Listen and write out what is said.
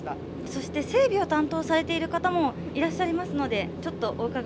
そして整備を担当されている方もいらっしゃりますのでちょっとお伺いしてみましょう。